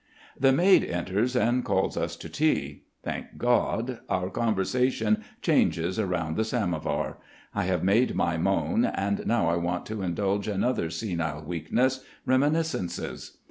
The maid enters and calls us to tea. Thank God, our conversation changes round the samovar. I have made my moan, and now I want to indulge another senile weakness reminiscences.